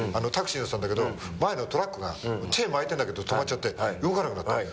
タクシー乗ってたんだけど前のトラックがチェーン巻いてるんだけど止まっちゃって動かなくなった。